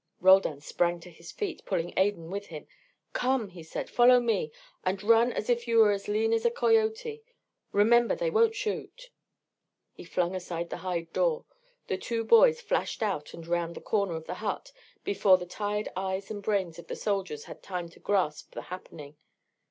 Roldan sprang to his feet, pulling Adan with him. "Come," he said; "follow me, and run as if you were as lean as a coyote. Remember they won't shoot." He flung aside the hide door. The two boys flashed out and round the corner of the hut before the tired eyes and brains of the soldiers had time to grasp the happening.